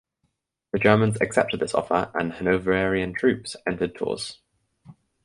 The Germans accepted this offer and Hanoverian troops entered Tours.